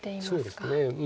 そうですね。